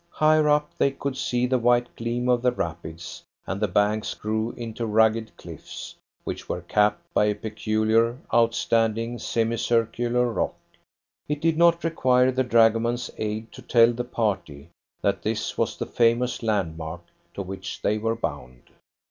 Higher up they could see the white gleam of the rapids, and the banks grew into rugged cliffs, which were capped by a peculiar, outstanding semi circular rock. It did not require the dragoman's aid to tell the party that this was the famous landmark to which they were bound.